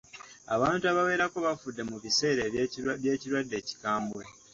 Abantu abawerako bafudde mu biseera by'ekirwadde ekikambwe.